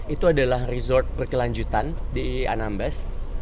itu adalah resort berkelanjutan di anambas